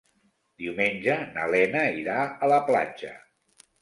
Diumenge na Lena irà a la platja.